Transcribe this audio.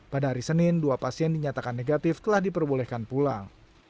pada hari senin dua pasien dinyatakan negatif telah diperbolehkan pulang